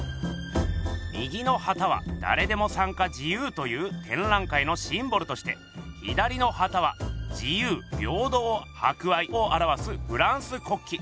右の旗はだれでも参加自由というてんらい会のシンボルとして左の旗は自由平等博愛をあらわすフランス国旗。